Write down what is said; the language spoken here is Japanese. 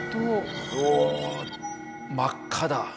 うお真っ赤だ！